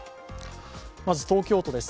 まず東京都です。